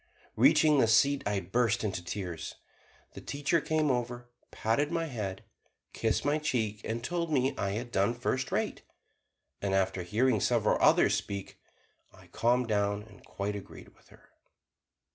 Reaching the seat, I burst into tears. The teacher came over, patted my head, kissed my cheek, and told me I had done first rate, and after hearing several others speak I calmed down and quite agreed with her.